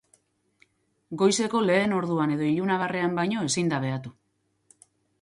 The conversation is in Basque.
Goizeko lehen orduan edo ilunabarrean baino ezin da behatu.